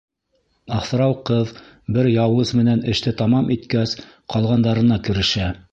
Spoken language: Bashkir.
Аҫрау ҡыҙ бер яуыз менән эште тамам иткәс, ҡалғандарына керешә.